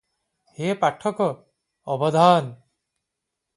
ହେ ପାଠକ ଅବଧାନ!